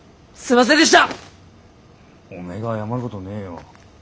おめえが謝るごどねえよ。